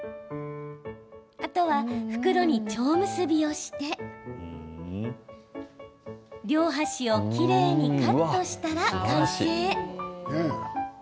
あとは、袋にちょう結びをして両端をきれいにカットしたら完成。